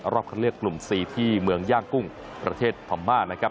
รอบคำเรียกกลุ่ม๔ที่เมืองย่างกุ้งประเทศพอร์ม่า